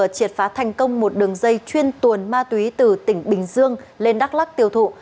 triệt phá thành công một đường dây chuyên tuồn ma túy từ tỉnh bình dương lên đắk lắc tiêu thụ